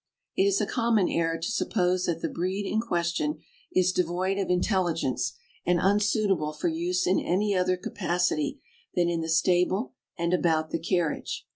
It is a common error to suppose that the breed in ques tion is devoid of intelligence and unsuitable for use in any other capacity than in the stable and about the carriage.